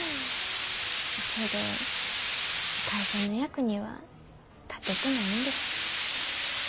けど会社の役には立ててないんです。